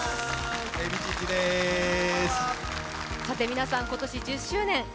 さて皆さん今年１０周年